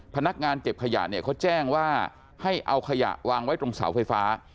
พนักงานเก็บขยะเนี่ยเขาแจ้งว่าให้เอาขยะวางไว้ตรงเสาไฟฟ้า